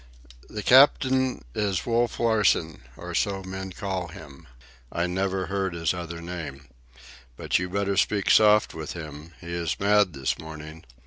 "The cap'n is Wolf Larsen, or so men call him. I never heard his other name. But you better speak soft with him. He is mad this morning.